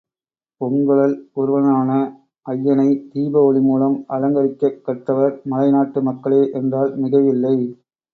பொங்கழல் உருவனான அய்யனை, தீப ஒளி மூலம் அலங்கரிக்கக் கற்றவர் மலைநாட்டு மக்களே என்றால் மிகையில்லை.